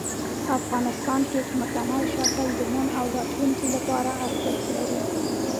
افغانستان کې ځمکنی شکل د نن او راتلونکي لپاره ارزښت لري.